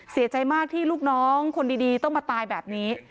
เสียใจมากที่ลูกน้องคนดีต้องมาตายแบบนี้